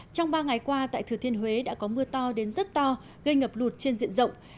trong ba ngày qua tại thừa thiên huế đã có mưa to đến rất to gây ngập lụt trên diện rộng